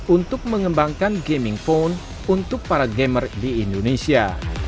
untuk mengembangkan gaming phone untuk para gamer di indonesia